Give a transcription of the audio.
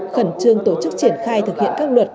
khẩn trương tổ chức triển khai thực hiện các luật